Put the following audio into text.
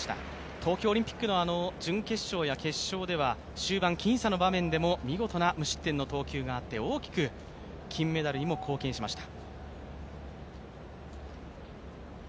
東京オリンピックの準決勝や決勝では、終盤、見事な無失点の投球があって大きく金メダルにも貢献しました。